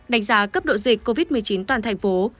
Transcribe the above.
đánh giá cấp độ dịch covid một mươi chín toàn thành phố